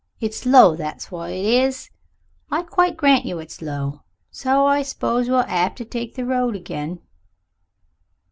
It's low that's what it is. I quite grant you it's low. So I s'pose we'll 'ave to take the road again."